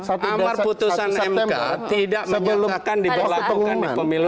amar putusan mk tidak menyatakan diberlakukan di pemilu dua ribu sembilan belas